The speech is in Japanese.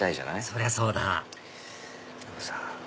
そりゃそうだ